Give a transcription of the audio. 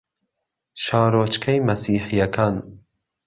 شارۆچکەی مەسیحییەکان